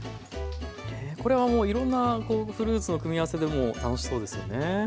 これはもういろんなフルーツの組み合わせでも楽しそうですよね。